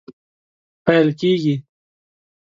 پیل کیږي